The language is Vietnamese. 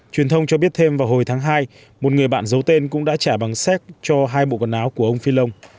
truyền thông cho biết thêm vào hồi tháng hai một người bạn giấu tên cũng đã trả bằng xét cho hai bộ quần áo của ông phi lông